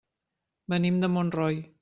Venim de Montroi.